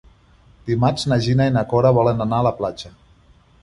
Dimarts na Gina i na Cora volen anar a la platja.